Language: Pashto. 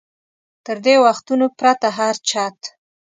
تر دې وختونو پرته هر چت.